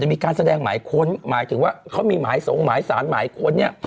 มีการแสดงหมายค้นหมายถึงว่าเขามีหมายสงหมายสารหมายค้นเนี่ย